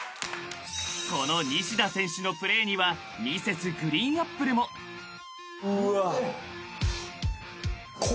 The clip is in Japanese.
［この西田選手のプレーにはＭｒｓ．ＧＲＥＥＮＡＰＰＬＥも］うわ！